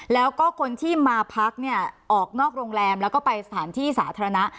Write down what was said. แล้วก็คนที่มาพักเนี่ยออกนอกโรงแรมแล้วก็ไปสถานที่สาธารณะ